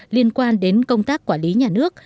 liên quan đến công tác quản lý nhà nước